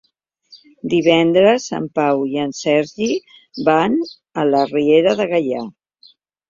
Divendres en Pau i en Sergi van a la Riera de Gaià.